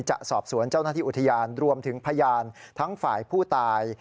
จะสอบสวนเจ้าหน้าที่อุทยานรวมถึงพยานทั้งฝ่ายผู้ตาย